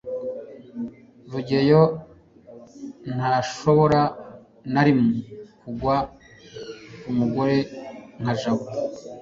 rugeyo ntashobora na rimwe kugwa kumugore nka jabo